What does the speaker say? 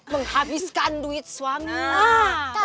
menghabiskan duit suaminya